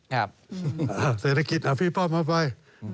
เอาเศรษฐกิจเอาพี่ป้อมมาไป